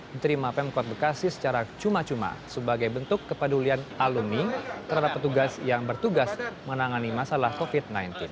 diterima pemkot bekasi secara cuma cuma sebagai bentuk kepedulian alumni terhadap petugas yang bertugas menangani masalah covid sembilan belas